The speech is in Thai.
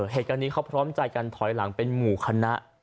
เหตุการณ์นี้เขาพร้อมใจกันถอยหลังเป็นหมู่คณะ